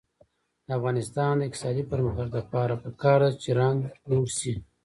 د افغانستان د اقتصادي پرمختګ لپاره پکار ده چې رنګ جوړ شي.